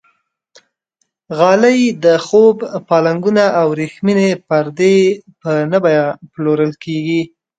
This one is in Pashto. غالۍ، د خوب پالنګونه او وریښمینې پردې په نه بیه پلورل کېږي.